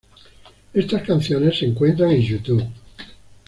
Estas canciones se encuentran en Youtube.